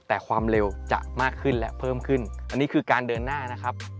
แต่ความเร็วจะมากขึ้นและเพิ่มขึ้นอันนี้คือการเดินหน้านะครับ